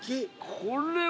これは。